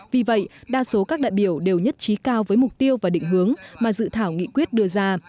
vì vậy đa số các đại biểu đều nhất trí cao với mục tiêu và định hướng mà dự thảo nghị quyết đưa ra